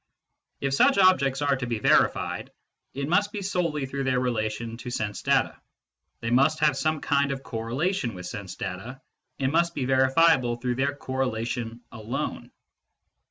If such objects are to be verified, it must be solely through their relation to sense data : they must have some kind of correlation with sense data, and must be verifiable through their correlation alone.